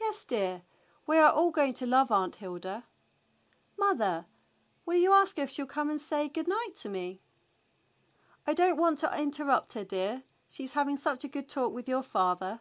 "Yes, dear. We are all going to love Aunt Hilda." "Mother, will you ask her if she'll come and say good night to me.^" "I don't want to interrupt her, dear. She's having such a good talk with your father."